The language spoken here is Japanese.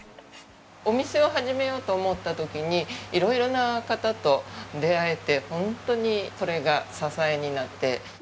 お店を始めようと思った時に色々な方と出会えてホントにそれが支えになって。